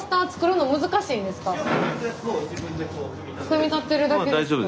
組み立てるだけですか？